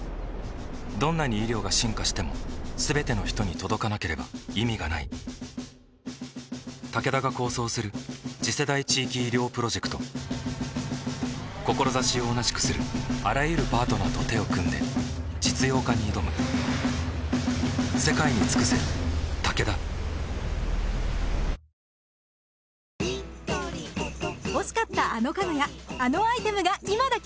どんなに医療が進化しても全ての人に届かなければ意味がないタケダが構想する次世代地域医療プロジェクト志を同じくするあらゆるパートナーと手を組んで実用化に挑む全国のお天気今村さんです。